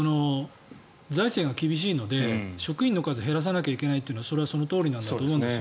財政が厳しいので職員の数を減らさなきゃいけないというのはそのとおりだと思うんです。